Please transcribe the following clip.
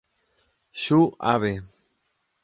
Shu Abe